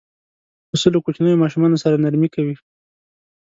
پسه له کوچنیو ماشومانو سره نرمي کوي.